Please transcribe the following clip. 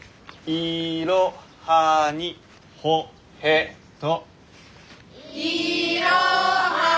「いろはにほへと」。